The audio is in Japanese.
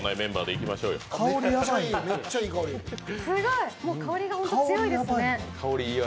すごい香りがホント強いですね。